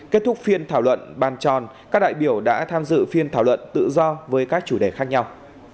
kết thúc phiên thảo luận bàn tròn các đại biểu đã tham dự phiên thảo luận tự do với các chủ đề khác nhau